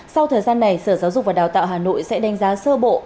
sau thời gian này sở giáo dục và đào tạo hà nội sẽ đánh giá sơ bộ